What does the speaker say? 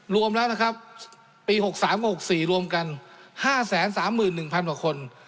รวมแล้วนะครับปี๖๓กับ๖๔รวมกัน๕๓๑๐๐๐กว่าคน